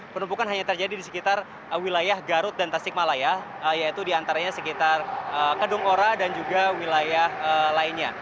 penumpukan hanya terjadi di sekitar wilayah garut dan tasik malaya yaitu di antaranya sekitar kedong ora dan juga wilayah lainnya